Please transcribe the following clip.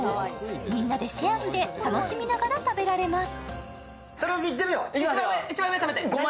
みんなでシェアして楽しみながら食べられます。